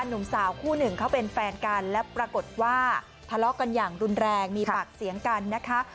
หนุ่มสาวคู่หนึ่งเขาเป็นแฟนกันและปรากฏว่าทะเลาะกันอย่างรุนแรงมีปากเสียงกันนะคะ